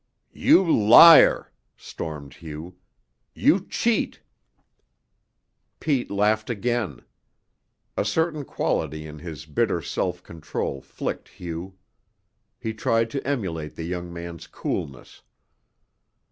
"You liar!" stormed Hugh. "You cheat!" Pete laughed again. A certain quality in his bitter self control flicked Hugh. He tried to emulate the young man's coolness.